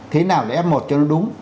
thế nào là f một cho nó đúng